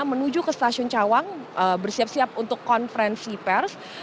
menuju ke stasiun cawang bersiap siap untuk konferensi pers